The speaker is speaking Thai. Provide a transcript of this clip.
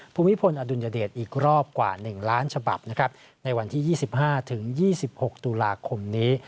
ภูมิพลอดุลยเดชอีกรอบกว่า๑ล้านฉบับนะครับในวันที่๒๕๒๖ตุลาคมนี้